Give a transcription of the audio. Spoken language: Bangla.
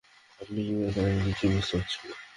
আপনি কী বলছেন আমি কিছুই বুঝতে পারছি না।